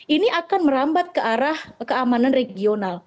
ini akan merambat ke arah keamanan regional